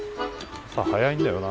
朝早いんだよな。